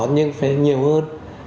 nhưng phải nhiều hơn